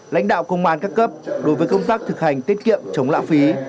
lãnh đạo công an các cấp đối với công tác thực hành tiết kiệm chống lãng phí